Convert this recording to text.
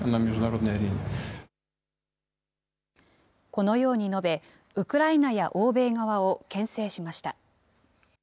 このように述べ、ウクライナや欧米側をけん制しました。